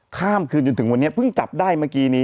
ข้ามคืนจนถึงวันนี้เพิ่งจับได้เมื่อกี้นี้